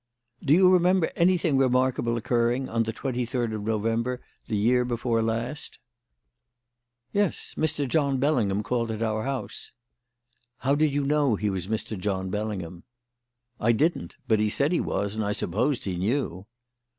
"Do you remember anything remarkable occurring on the twenty third of November the year before last?" "Yes. Mr. John Bellingham called at our house." "How did you know he was Mr. John Bellingham?" "I didn't; but he said he was, and I supposed he knew."